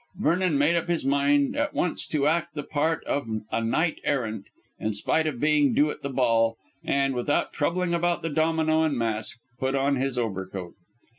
Vernon made up his mind at once to act the part of a knight errant, in spite of being due at the ball, and, without troubling about the domino and mask, put on his overcoat.